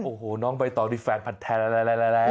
โอ้โหน้องใบตองนี่แฟนผัดแทนอะไร